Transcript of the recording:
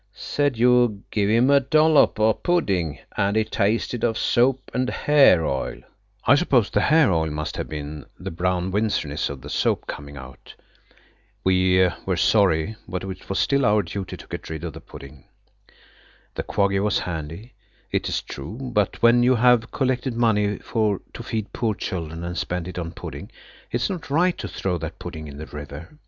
"Said you give him a dollop o' pudding, and it tasted of soap and hair oil." I suppose the hair oil must have been the Brown Windsoriness of the soap coming out. We were sorry, but it was still our duty to get rid of the pudding. The Quaggy was handy, it is true, but when you have collected money to feed poor children and spent it on pudding it is not right to throw that pudding in the river.